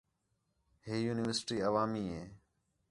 ہے یونیورسٹی عوامی ہے